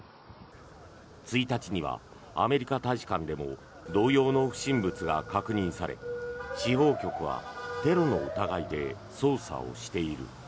１日にはアメリカ大使館でも同様の不審物が確認され司法局はテロの疑いで捜査をしている。